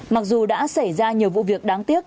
mặc dù đã xảy ra nhiều vụ việc đáng tiếc